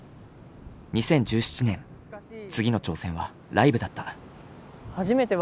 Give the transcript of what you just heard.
２０１７年次の挑戦はライブだった。